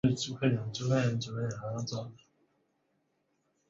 铃鹿赛道是铃鹿市的著名标志之一。